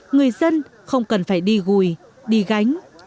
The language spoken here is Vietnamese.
người dân không cần phải đi gùi đi gánh